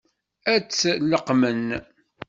Ad tt-leqqmen?